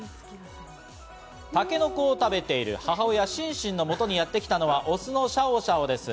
タケノコを食べている母親・シンシンのもとにやってきたのはオスのシャオシャオです。